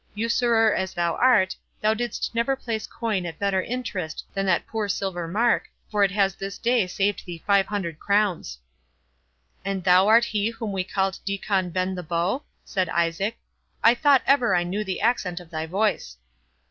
—Usurer as thou art, thou didst never place coin at better interest than that poor silver mark, for it has this day saved thee five hundred crowns." "And thou art he whom we called Diccon Bend the Bow?" said Isaac; "I thought ever I knew the accent of thy voice."